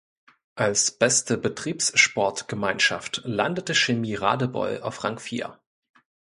Als beste Betriebssportgemeinschaft landete Chemie Radebeul auf Rang vier.